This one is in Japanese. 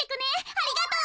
ありがとう。